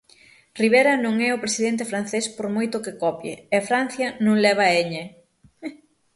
Rivera non é o presidente francés por moito que copie, e Francia non leva eñe.